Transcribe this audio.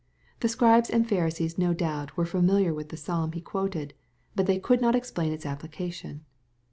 The Scribes and Pharisees no doubt were familiar with the Psalm He quoted, but they could not explain its application.